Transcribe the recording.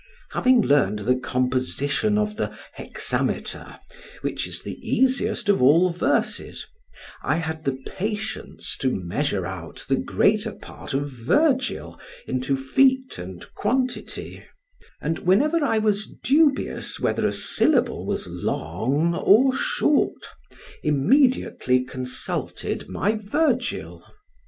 Having learned the composition of the hexameter, which is the easiest of all verses, I had the patience to measure out the greater part of Virgil into feet and quantity, and whenever I was dubious whether a syllable was long or short, immediately consulted my Virgil.